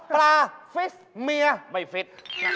ปลาฟิสเมียไม่ฟิต